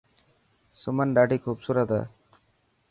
سمن ڏاڌي خوبصورت هي.